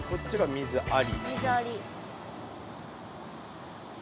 水あり。